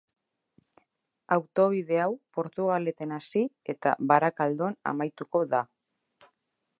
Autobide hau Portugaleten hasi eta Barakaldon amaituko da.